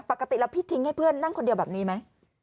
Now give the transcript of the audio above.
ปกติแล้วพี่ทิ้งให้เพื่อนนั่งคนเดียวแบบนี้ไหม